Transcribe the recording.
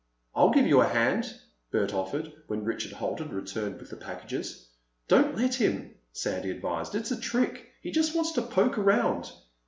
"I'll give you a hand," Bert offered, when Richard Holt had returned with the packages. "Don't let him," Sandy advised. "It's a trick. He just wants to poke around."